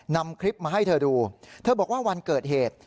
นำคลิปมาให้เธอดูเธอบอกว่าวันเกิดเหตุ